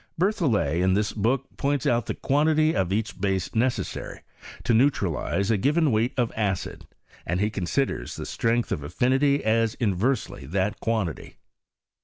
BerthoUet in this book points out the quantity of each, base necessary to neutralize a given weight of aeid, and he considers the strength of affinity as in versely that quantity.